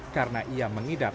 karena ia mengidap